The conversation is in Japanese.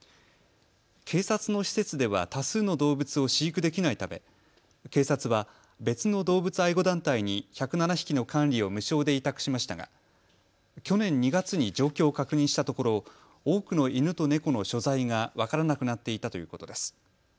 警察の施設では多数の動物を飼育できないため警察は別の動物愛護団体に１０７匹の管理を無償で委託しましたが去年２月に状況を確認したところ多くの犬と猫の所在が分からなくなっていたということです。